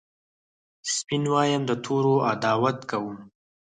سپین وایم د تورو عداوت کوم